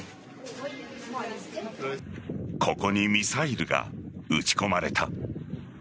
ここにミサイルが撃ち込まれた。